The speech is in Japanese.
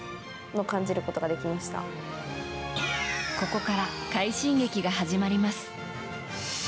ここから快進撃が始まります。